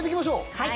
はい。